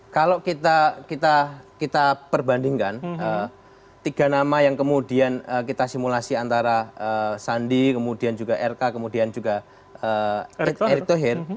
kalau kita perbandingkan tiga nama yang kemudian kita simulasi antara sandi kemudian juga rk kemudian juga erick thohir